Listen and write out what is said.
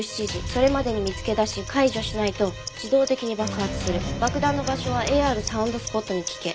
「それまでに見つけ出し解除しないと自動的に爆発する」「爆弾の場所はＡＲサウンドスポットに聞け」